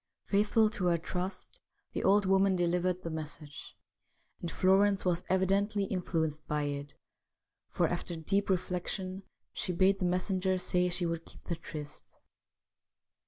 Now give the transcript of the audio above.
Faithful to her trust, the old woman delivered the message, and Florence was evidently influenced by it, for, after deep reflection, she bade the mes senger say she would keep the tryst.